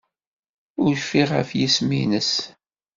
Ur cfiɣ ɣef yisem-nnes.